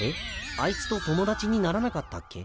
あいつと友達にならなかったっけ？